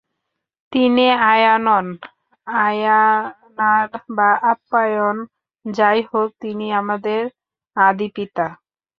তিনি আয়্যানন, আইয়ানার বা আয়াপ্পান যাই হোক, তিনিই আমাদের আদিপিতা।